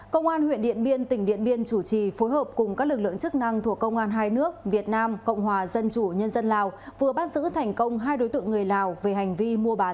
công an huyện điện biên tỉnh điện biên chủ trì phối hợp cùng các lực lượng chức năng thuộc công an hai nước việt nam cộng hòa dân chủ nhân dân lào vừa bắt giữ thành công hai đối tượng người lào về hành vi